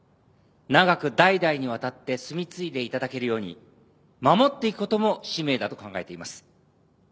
長く代々にわたって住み継いでいただけるように守っていくことも使命だと考えています。